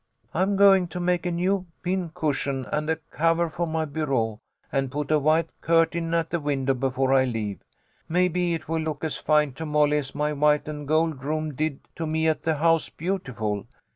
I'm going to make a new pincushion and a cover for my bureau, and put a white curtain at the win dow before I leave. Maybe it will look as fine to 78 THE LITTLE COLONEL'S HOLIDAYS. Molly as my white and gold room did to me at the House Beautiful.